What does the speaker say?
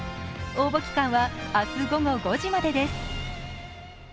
応募期間は明日午後５時までです。